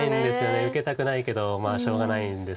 受けたくないけどまあしょうがないんですけど。